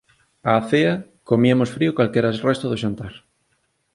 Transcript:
Á cea comiamos frío calquera resto do xantar